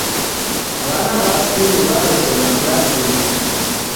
W'ana w'a skulu w'aw'eshoma klasinyi.